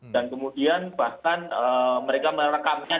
dan kemudian bahkan mereka merekamnya dalam video